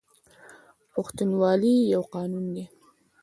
پښتونولي یو قانون دی